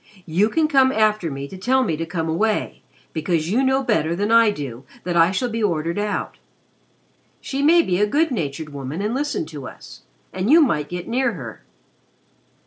You can come after me to tell me to come away, because you know better than I do that I shall be ordered out. She may be a good natured woman and listen to us and you might get near her."